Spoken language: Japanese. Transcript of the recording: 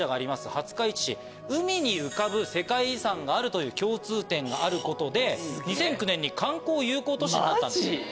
廿日市市海に浮かぶ世界遺産があるという共通点があることで２００９年に観光友好都市になったんです。